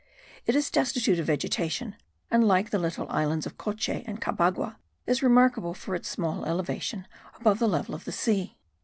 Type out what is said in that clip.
It is destitute of vegetation; and like the little islands of Coche and Cabagua is remarkable for its small elevation above the level of the sea.